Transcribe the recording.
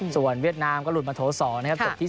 ส่วนเวียดนามก็หลุดมาโถ๒นะครับจบที่๒